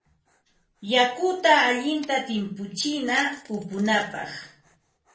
Yakuta allinta timputsina upunapaq.